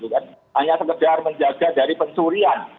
hanya sekedar menjaga dari pencurian